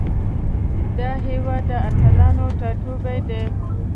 دا هیواد د اتلانو ټاټوبی ده.